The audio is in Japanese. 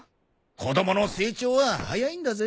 子供の成長は早いんだぜ？